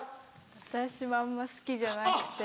私はあんま好きじゃなくて。